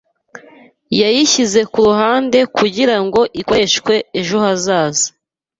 Yayishyize kuruhande kugirango ikoreshwe ejo hazaza.